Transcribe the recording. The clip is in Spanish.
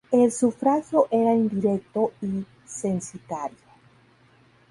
El sufragio era indirecto y censitario.